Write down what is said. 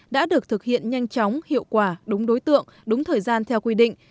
đã được thực hiện nhanh chóng hiệu quả đúng đối tượng đúng thời gian theo quy định